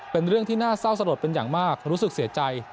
เป็นเรื่องที่น่าเศร้าสลดเป็นอย่างมากรู้สึกเสียใจ